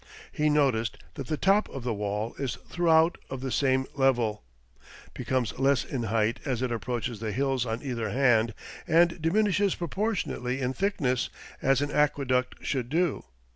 He noticed that "the top of the wall is throughout of the same level; becomes less in height as it approaches the hills on either hand and diminishes proportionately in thickness" as an aqueduct should do.